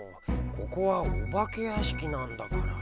ここはお化け屋敷なんだから。